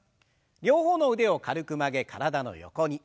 両方の腕を軽く曲げ体の横に。